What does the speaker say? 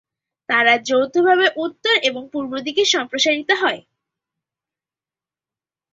তারা যৌথভাবে উত্তর ও পূর্ব দিকে সম্প্রসারিত হয়।